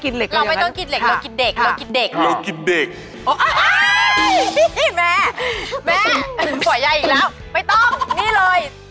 นอนน้อย